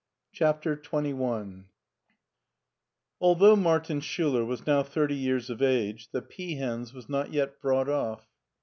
CHAPTER XXI ALTHOUGH Martin Schffler was now thirty years of age, the peahens was not yet brought off.